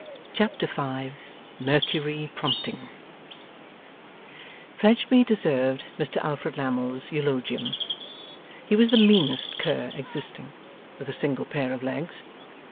Chapter 5 MERCURY PROMPTING Fledgeby deserved Mr Alfred Lammle's eulogium. He was the meanest cur existing, with a single pair of legs.